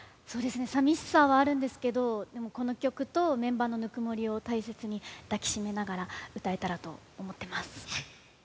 寂しさはあるんですけどこの曲とメンバーのぬくもりを大切に抱き締めながら歌えたらと思ってます。